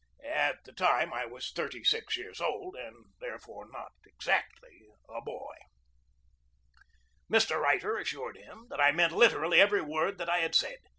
At the time I was thirty six years old, and there fore not exactly a boy. Mr. Reiter assured him that I meant literally every word that I had said.